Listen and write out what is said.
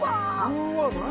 うわっ何？